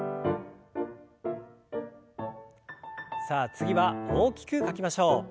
さあ次は大きく書きましょう。